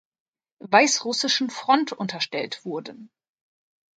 Weißrussischen Front unterstellt wurden.